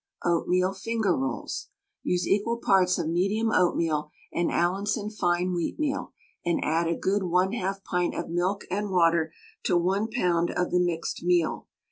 OATMEAL FINGER ROLLS. Use equal parts of medium oatmeal and Allinson fine wheatmeal, and add a good 1/2 pint of milk and water to 1 pound of the mixed meal.